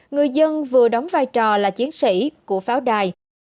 người dân vừa đóng vai trò là chiến sĩ của pháo đài